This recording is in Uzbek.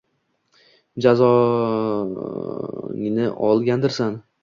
-Jazongizni olgandirsiz?